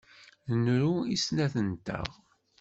Nru i snat-nteɣ.